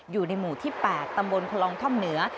อยู่ในหมู่ที่๘ตำบูรณ์พร้อมท่อมเหนือ